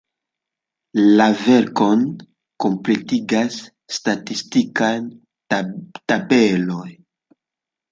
La verkon kompletigas statistikaj tabeloj.